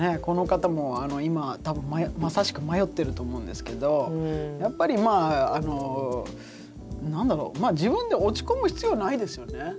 この方も今多分まさしく迷ってると思うんですけどやっぱり何だろうまあ自分で落ち込む必要ないですよね。